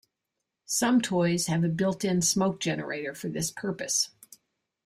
Some toys have a built-in smoke generator for this purpose.